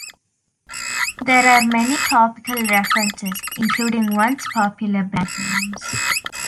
There are many topical references, including once-popular brand names.